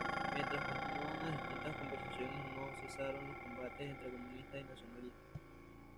Mientras continuaban las distintas conversaciones, no cesaron los combates entre comunistas y nacionalistas.